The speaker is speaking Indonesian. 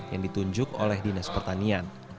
yang ditunjuk oleh dinas pertanian